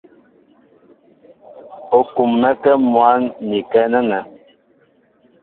U kúm̀mɛ́kɛ́ mwǎn ikɛ́ nɛ́nɛ.